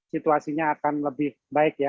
situasinya akan lebih baik ya